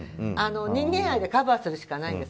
人間愛でカバーするしかないです。